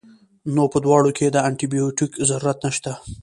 نو پۀ دواړو کښې د انټي بائيوټک ضرورت نشته